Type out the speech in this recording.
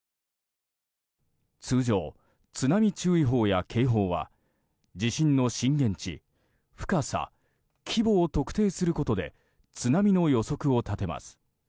通常、津波注意報や警報は地震の震源地深さ、規模を測定することで津波の予測を立てます。